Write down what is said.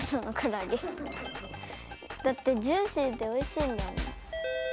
だってジューシーでおいしいんだもん。